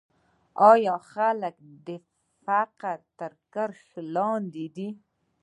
آیا خلک د فقر تر کرښې لاندې دي؟